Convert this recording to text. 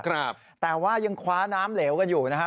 ครับแต่ว่ายังคว้าน้ำเหลวกันอยู่นะฮะ